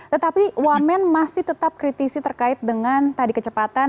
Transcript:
tetapi wamen masih tetap kritisi terkait dengan tadi kecepatan